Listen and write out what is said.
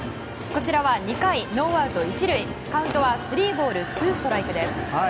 こちらは２回ノーアウト１塁カウントはスリーボールツーストライクです。